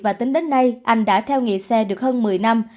và tính đến nay anh đã theo nghề xe được hơn một mươi năm